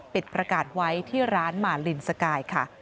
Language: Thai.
ประกาศไว้ที่ร้านมาลินสกายค่ะ